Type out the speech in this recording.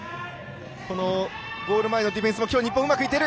このゴール前のディフェンスもきょうは日本うまくいっている。